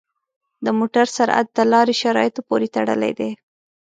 د موټر سرعت د لارې شرایطو پورې تړلی دی.